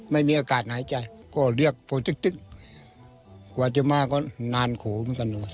ไม่มีอากาศหายใจก็เรียกพอตึ๊กกว่าจะมาก็นานโขเหมือนกัน